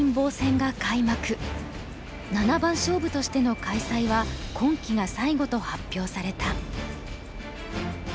七番勝負としての開催は今期が最後と発表された。